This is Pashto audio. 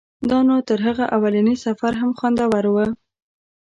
دا نو تر هغه اولني سفر هم خوندور و.